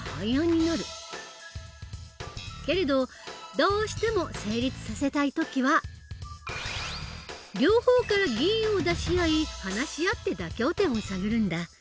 けれどどうしても成立させたい時は両方から議員を出し合い話し合って妥協点を探るんだ。